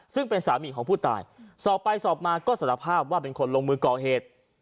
ซึ่งเป็นสามีของผู้ตายสอบไปสอบมาก็สารภาพว่าเป็นคนลงมือก่อเหตุ